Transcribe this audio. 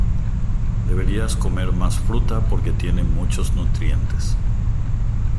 Deberías comer más fruta porque tienen muchos nutrientes.